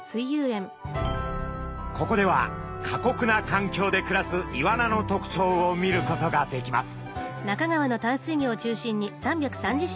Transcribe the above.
ここでは過酷な環境で暮らすイワナの特徴を見ることができます。